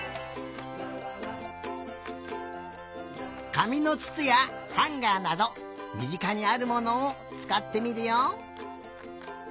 かみのつつやハンガーなどみぢかにあるものをつかってみるよ！